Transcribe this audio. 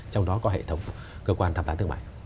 trong đó có hệ thống cơ quan tham tán thương mại